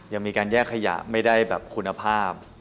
ยังมีการแยกขยะไม่ได้แบบคุณภาพ